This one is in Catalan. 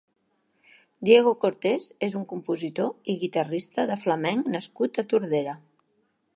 Diego Cortés és un compositor i guitarrista de flamenc nascut a Tordera.